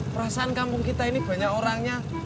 perasaan kampung kita ini banyak orangnya